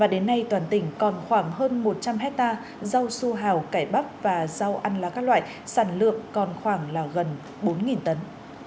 đến nay toàn tỉnh còn khoảng hơn một trăm linh ha rau su hào cải bắp và rau ăn lá các loại sản lượng gần bốn tấn